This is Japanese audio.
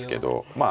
まあ